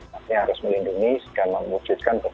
harus melindungi dan memujudkan